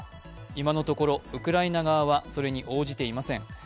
今のところ、ウクライナ側はそれに応じていません。